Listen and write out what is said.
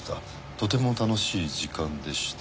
「とても楽しい時間でした」